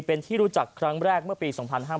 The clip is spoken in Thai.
เป็นที่รู้จักครั้งแรกเมื่อปี๒๕๕๙